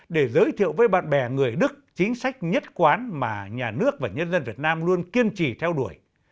để giới thiệu với bạn bè người đức chính sách nhất quán mà nhà nước và nhân dân việt nam luôn kiên trì theo đuổi